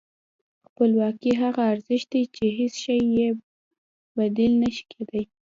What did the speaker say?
خپلواکي هغه ارزښت دی چې هېڅ شی یې بدیل نه شي کېدای.